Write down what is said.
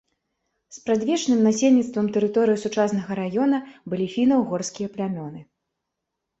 Спрадвечным насельніцтвам тэрыторыі сучаснага раёна былі фіна-ўгорскія плямёны.